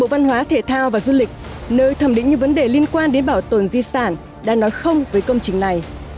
bộ văn hóa thể thao và du lịch nơi thẩm định những vấn đề liên quan đến bảo tồn di sản đã nói không với công trình này